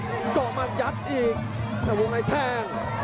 เกาะมาจัดอีกมึงในแท่ง